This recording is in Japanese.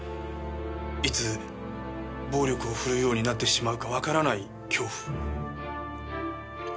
いつ暴力を振るうようになってしまうかわからない恐怖。